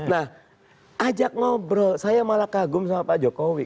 nah ajak ngobrol saya malah kagum sama pak jokowi